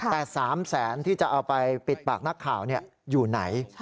แต่๓แสนที่จะเอาไปปิดปากนักข่าวอยู่ไหน